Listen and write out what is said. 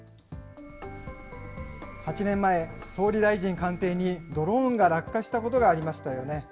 ８年前、総理大臣官邸にドローンが落下したことがありましたよね。